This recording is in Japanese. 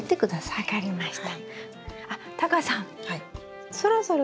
はい分かりました。